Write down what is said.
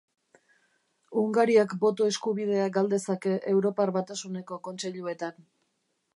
Hungariak boto-eskubidea gal dezake Europar Batasuneko kontseiluetan